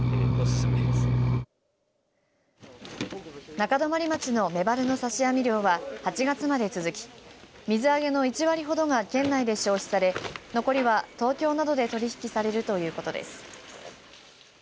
中泊町のメバルの刺し網漁は８月まで続き水揚げの１割ほどが県内で消費され残りは東京などで取引されるということです。